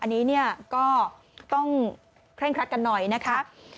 อันนี้ก็ต้องเคล่งคลัดกันหน่อยนะคะ